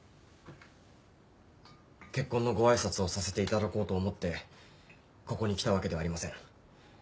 結婚のご挨拶をさせていただこうと思ってここに来たわけではありません。